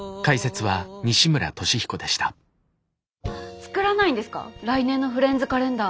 作らないんですか来年のフレンズカレンダー。